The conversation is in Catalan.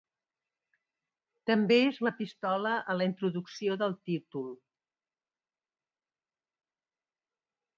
També és la pistola a la introducció del títol.